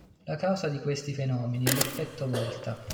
La causa di questi fenomeni è l'effetto Volta.